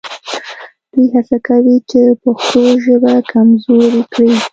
دوی هڅه کوي چې پښتو ژبه کمزورې کړي